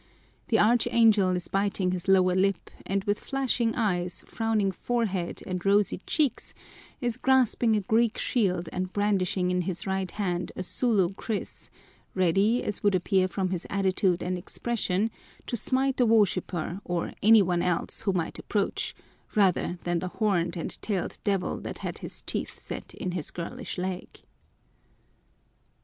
The Archangel is biting his lower lip and with flashing eyes, frowning forehead, and rosy cheeks is grasping a Greek shield and brandishing in his right hand a Sulu kris, ready, as would appear from his attitude and expression, to smite a worshiper or any one else who might approach, rather than the horned and tailed devil that had his teeth set in his girlish leg.